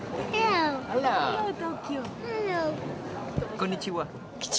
こんにちは。